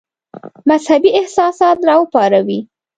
مذهبي احساسات را وپاروي.